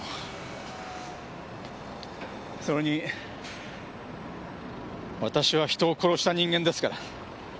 それに私は人を殺した人間ですから。